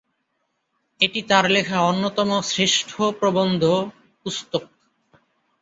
এটি তার লেখা অন্যতম শ্রেষ্ঠ প্রবন্ধ পুস্তক।